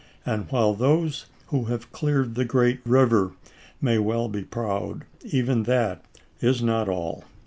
And while those who have cleared the great river may well be proud, even that is not all.